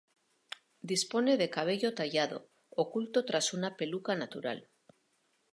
Dispone de cabello tallado, oculto tras una peluca natural.